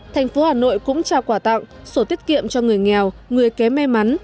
thành phố hà nội cũng trao quà tặng sổ tiết kiệm cho người nghèo người kém may mắn